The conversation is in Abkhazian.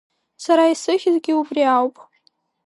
Сара исыхьызгьы убри ауп…